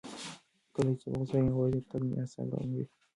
کله چې زه په غوسه یم، یوازې تګ مې اعصاب اراموي.